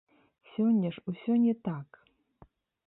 Сёння ж усё не так!